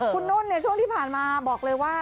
คุณนุ่นช่วงที่ผ่านมาบอกเลยว่า